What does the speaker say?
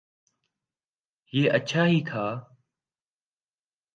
یہ اچھا ہی تھا۔